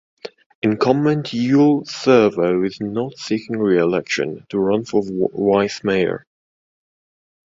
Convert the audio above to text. Incumbent Yul Servo is not seeking reelection to run for Vice Mayor.